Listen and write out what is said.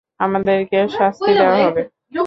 আমাদেরকে শাস্তি দেওয়া হবে!